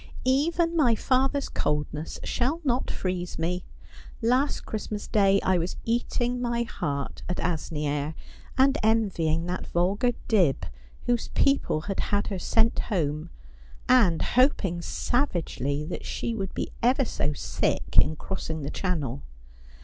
' Even my father's coldness shall not freeze me. Last Christmas Day I was eating my heart at Asnieres, and envying that vulgar Dibb, whose people had had her sent home, and hoping savagely that she would be ever so sick in crossing the Channel.